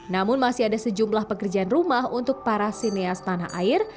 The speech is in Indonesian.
namun masih ada sejumlah pekerjaan rumah untuk para sineas tanah air